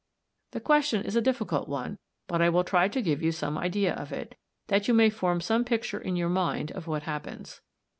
The question is a difficult one but I will try to give you some idea of it, that you may form some picture in your mind of what happens.